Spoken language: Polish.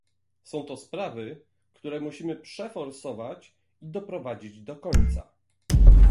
Są to sprawy, które musimy przeforsować i doprowadzić do końca